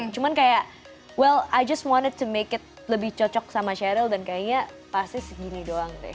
cuman kayak well i just wanted to make it lebih cocok sama cheryl dan kayaknya pasti segini doang deh